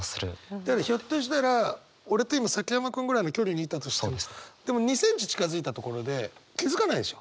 だからひょっとしたら俺と今崎山君ぐらいの距離にいたとしてもでも２センチ近づいたところで気付かないでしょ？